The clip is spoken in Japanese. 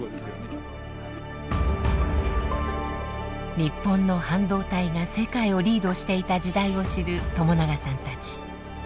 日本の半導体が世界をリードしていた時代を知る友永さんたち。